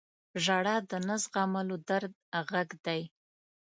• ژړا د نه زغملو درد غږ دی.